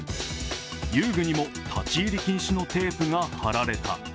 遊具にも立入禁止のテープが貼られた。